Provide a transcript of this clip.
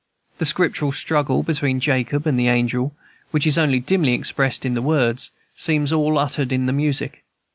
The Scriptural struggle between Jacob and the angel, which is only dimly expressed in the words, seems all uttered in the music.